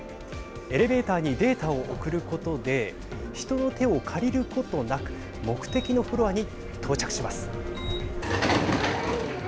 エレベーターにデータを送ることで人の手を借りることなく目的のフロアに到着します。